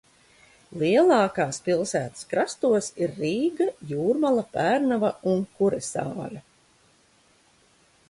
Lielākās pilsētas krastos ir Rīga, Jūrmala, Pērnava un Kuresāre.